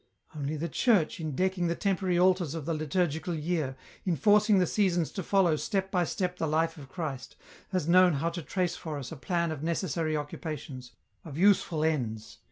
" Only the Church, in decking the temporary altars of the liturgical year, in forcing the seasons to follow step by step the life of Christ, has known how to trace for us a plan of necessary occupations, of useful ends.